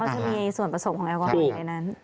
จะมีส่วนผสมของแอลกอฮอล์ในนั้น